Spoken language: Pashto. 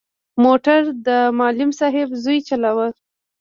موټر د معلم صاحب زوی چلاوه.